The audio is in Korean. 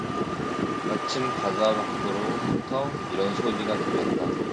마침 바자 밖으로부터 이런 소리가 들렸다.